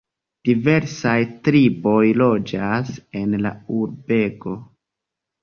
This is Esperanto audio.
Diversaj triboj loĝas en la urbego.